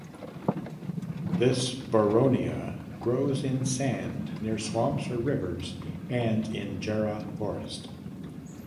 This boronia grows in sand near swamps or rivers and in jarrah forest.